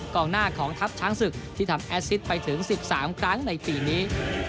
กองหน้าของทัพช้างศึกที่ทำแอสซิตไปถึง๑๓ครั้งในปีนี้